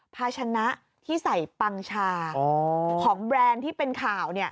ภาชนะที่ใส่ปังชาของแบรนด์ที่เป็นข่าว